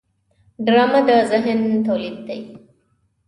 ډرامه د ذهن تولید دی